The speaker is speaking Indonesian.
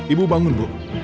ibu bangun bu